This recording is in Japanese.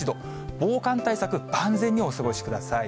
防寒対策、万全にお過ごしください。